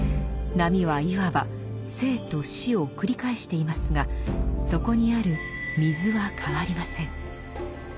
波はいわば生と死を繰り返していますがそこにある水は変わりません。